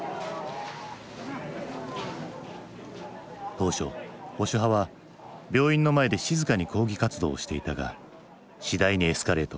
当初保守派は病院の前で静かに抗議活動をしていたが次第にエスカレート。